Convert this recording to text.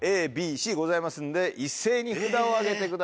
ＡＢＣございますんで一斉に札を上げてください。